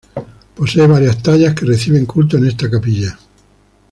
Posee varias tallas que reciben culto en esta Capilla.